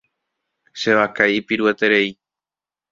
Che vaka ipirueterei.